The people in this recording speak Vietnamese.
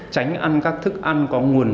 tránh ăn các thức ăn có nguồn